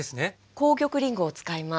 紅玉りんごを使います。